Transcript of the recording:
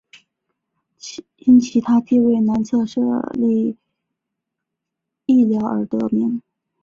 因其地位于南侧设立隘寮而得名。